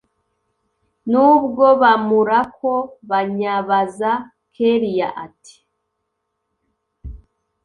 nubwobamurako kanyaabaza kellia ati